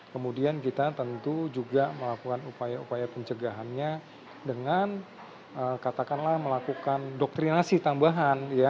kemudian kita tentu juga melakukan upaya upaya pencegahannya dengan katakanlah melakukan doktrinasi tambahan